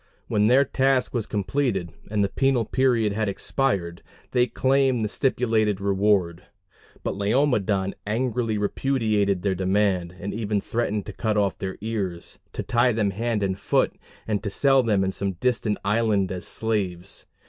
When their task was completed and the penal period had expired, they claimed the stipulated reward; but Laomedon angrily repudiated their demand, and even threatened to cut off their ears, to tie them hand and foot, and to sell them in some distant island as slaves.